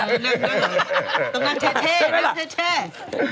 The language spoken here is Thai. ตรงนั้นเท่